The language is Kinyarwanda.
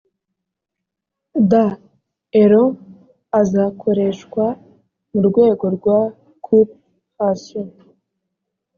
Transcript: d euros azakoreshwa mu rwego rwa coop ration